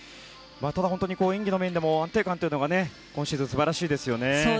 本当に演技の面でも安定感が今シーズン素晴らしいですね。